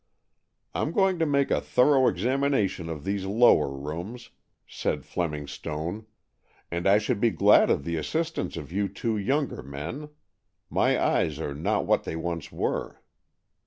"I'm going to make a thorough examination of these lower rooms," said Fleming Stone, "and I should be glad of the assistance of you two younger men. My eyes are not what they once were."